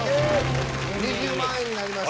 ２０万円になりました。